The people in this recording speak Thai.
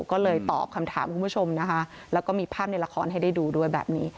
ก็เลยตอบคำถามคุณผู้ชมนะคะแล้วก็มีภาพในละครให้ได้ดูด้วยแบบนี้